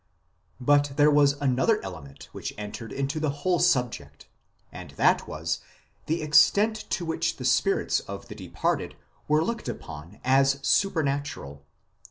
But there was another element which entered into the whole subject, and that was the extent to which the spirits of the departed were looked upon as supernatural.